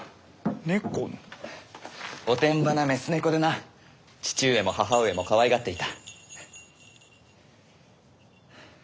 おてんばな雌猫でな父上も母上もかわいがっていた。